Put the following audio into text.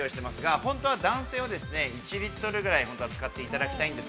本当は男性は１リットルぐらいのを使っていただきたいんですが。